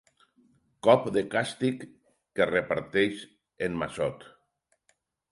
Cop de càstig que reparteix en Massot.